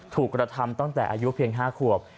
กระทำตั้งแต่อายุเพียง๕ขวบ